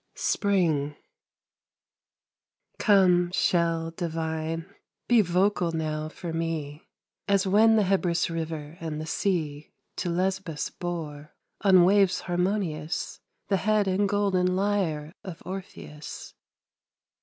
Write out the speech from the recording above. SPRING Come, shell divine, be vocal now for me, As when the Hebrus river and the sea To Lesbos bore, on waves harmonious, The head and golden lyre of Orpheus.